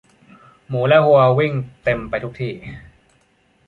หมูและวัววิ่งเต็มไปทุกที่